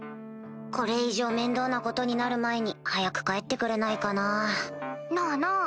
これ以上面倒なことになる前に早く帰ってくれないかななぁなぁ。